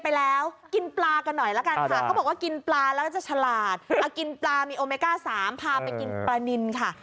พาไปกินปลานินค่ะ